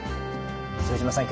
副島さん